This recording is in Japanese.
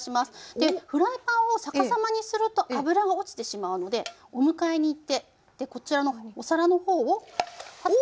でフライパンを逆さまにすると油が落ちてしまうのでお迎えにいってでこちらのお皿の方をパッと。